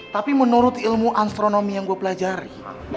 tapi menurut ilmu astronomi yang gue pelajari